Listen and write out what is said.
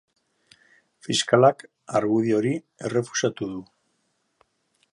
Fiskalak argudio hori errefusatu du.